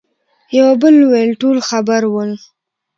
يوه بل وويل: ټول خبر ول.